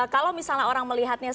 kalau misalnya orang melihatnya